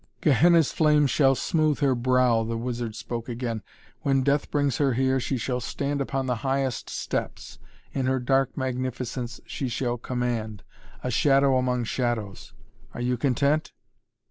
"Gehenna's flame shall smoothe her brow," the wizard spoke again. "When Death brings her here, she shall stand upon the highest steps, in her dark magnificence she shall command a shadow among shadows. Are you content?"